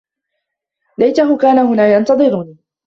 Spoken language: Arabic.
ليته كان هنا ينتظرني.